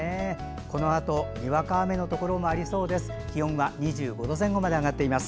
このあと、にわか雨のところがありそうです。